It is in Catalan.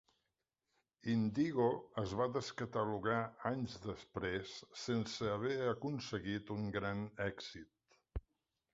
Indigo es va descatalogar anys després sense haver aconseguit un gran èxit.